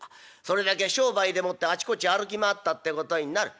それだけ商売でもってあちこち歩き回ったってことになる。